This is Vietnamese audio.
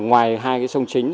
ngoài hai sông chính